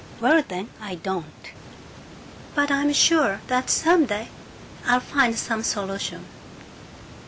"Well then, I don't! But I'm sure that some day I'll find some solution.